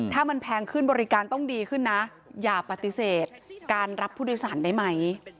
ถ้ามันแพงขึ้นบริการต้องดีขึ้นนะอย่าปฏิเสธการรับผู้โดยสารได้ไหม